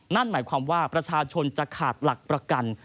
นั่นหมายความว่าประชาชนจะขาดหลักประกัน